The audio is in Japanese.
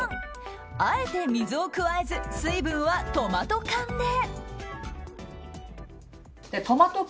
あえて水を加えず水分はトマト缶で。